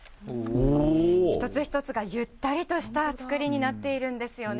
一つ一つがゆったりとした作りになっているんですよね。